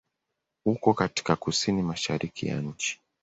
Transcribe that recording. Uko katika kusini-mashariki ya nchi.